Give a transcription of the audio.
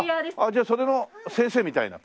じゃあそれの先生みたいな？